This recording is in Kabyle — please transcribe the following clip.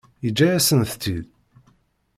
Yeǧǧa-yasent-tt-id?